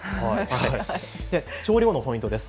調理後のポイントです。